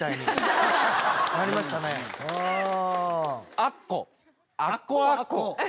アッコアッコ。